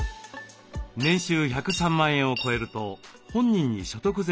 年収１０３万円を超えると本人に所得税が発生。